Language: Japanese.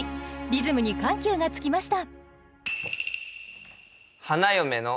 リズムに緩急がつきました。